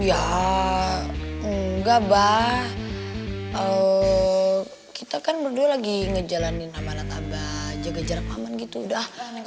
ya enggak bah oh kita kan berdua lagi ngejalanin sama natabah jaga jarak aman gitu udah